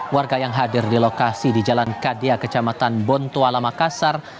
warga yang hadir di lokasi di jalan kadia kecamatan bontuala makassar